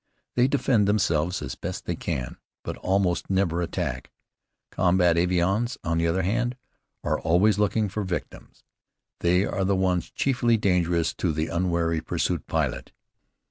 They defend themselves as best they can, but almost never attack. Combat avions, on the other hand; are always looking for victims. They are the ones chiefly dangerous to the unwary pursuit pilot.